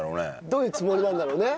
どういうつもりなんだろうね？